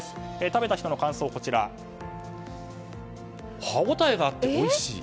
食べた人の感想は歯応えがあっておいしい。